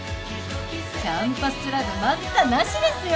キャンパスラブ待ったなしですよ！